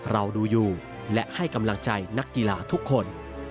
เราดูอยู่และให้กำลังใจนักกีฬาทุกคน